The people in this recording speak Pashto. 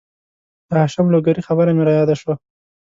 د هاشم لوګرې خبره مې را یاده شوه